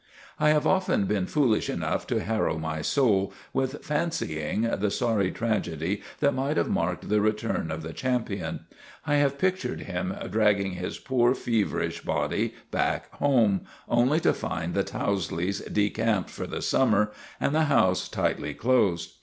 I have often been foolish enough to harrow my soul with fancying the sorry tragedy that might have marked the return of the champion. I have pictured him, dragging his poor, feverish body back home, only to find the Towsleys decamped for the summer and the house tight closed.